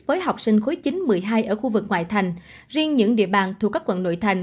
với học sinh khối chính một mươi hai ở khu vực ngoại thành riêng những địa bàn thuộc các quận nội thành